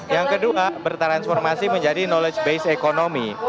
yang kedua bertransformasi menjadi knowledge base ekonomi